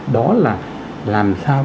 đó là làm sao